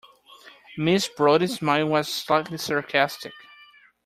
Miss Brodie's smile was slightly sarcastic.